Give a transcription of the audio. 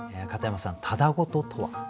片山さん「ただごと」とは？